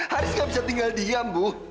haris nggak bisa tinggal diam bu